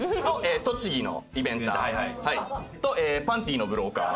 「とちぎのイベンター」「パンティーのブローカー」